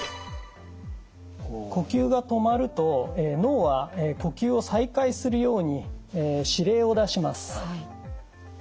呼吸が止まると脳は呼吸を再開するように指令を出します。